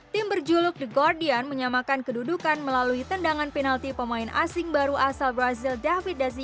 tim berjuluk the guardian menyamakan kedudukan melalui tendangan penalti pemain asing baru asal brazil david daziva di menit ke lima puluh empat